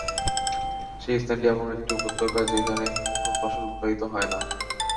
সে স্থানটি এমন একটি উপত্যকা, যেখানে কোন ফসল উৎপাদিত হয় না।